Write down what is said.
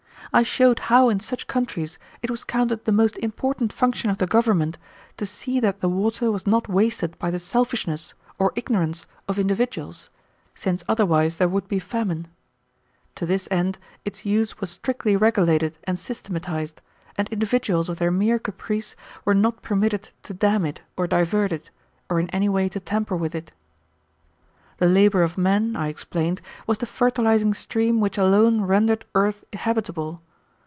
I showed how in such countries it was counted the most important function of the government to see that the water was not wasted by the selfishness or ignorance of individuals, since otherwise there would be famine. To this end its use was strictly regulated and systematized, and individuals of their mere caprice were not permitted to dam it or divert it, or in any way to tamper with it. The labor of men, I explained, was the fertilizing stream which alone rendered earth habitable.